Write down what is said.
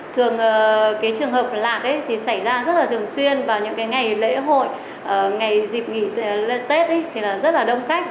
thường cái trường hợp lạc thì xảy ra rất là thường xuyên vào những ngày lễ hội ngày dịp nghỉ tết thì rất là đông khách